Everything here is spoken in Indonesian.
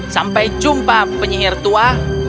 sampai jumpa penyihir tua